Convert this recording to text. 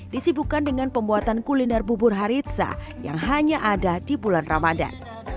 disibukkan dengan pembuatan kuliner bubur haritsa yang hanya ada di bulan ramadhan